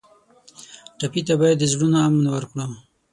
ټپي ته باید د زړونو امن ورکړو.